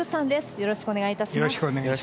よろしくお願いします。